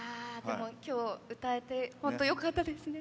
今日、歌えて本当によかったですね。